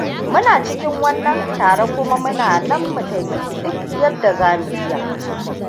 Muna cikin wannan tare kuma muna nan mu taimaki duk yadda za mu iya.